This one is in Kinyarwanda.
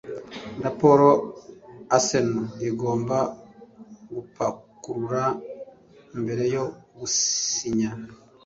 Raporo Arsenal igomba gupakurura mbere yo gusinya